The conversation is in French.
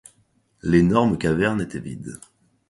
L’énorme caverne était vide.